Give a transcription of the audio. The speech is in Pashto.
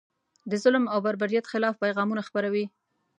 د ظلم او بربریت خلاف پیغامونه خپروي.